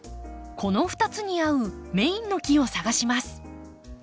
この２つに合うメインの木を探します。